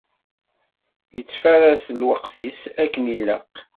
Yettfaraṣ lweqt-is akken ilaq.